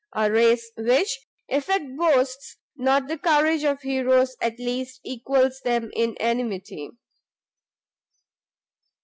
a race which, if it boasts not the courage of heroes, at least equals them in enmity.